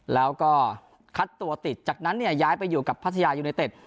แล้วก็คัดตัวติดจากนั้นเนี่ยย้ายไปอยู่กับพัทยายูไนเต็ด